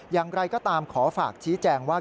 อย่างไรก็ตามขอฝากชี้แจงว่า